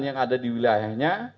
yang ada di wilayahnya